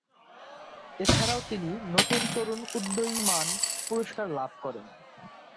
এছাড়াও তিনি "নতুন তরুন উদীয়মান" পুরস্কার লাভ করেন।